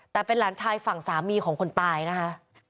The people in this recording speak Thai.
แต่เป็นหลานชายฝั่งสามีของคนตายนะคะ